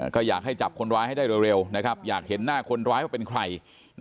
ก็อยากให้จับคนร้ายให้ได้เร็วนะครับอยากเห็นหน้าคนร้ายว่าเป็นใคร